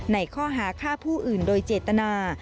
ในข้อหาฆ่าผู้อื่นโดยเจตนา